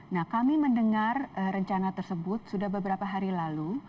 nah kami mendengar rencana tersebut sudah beberapa hari lalu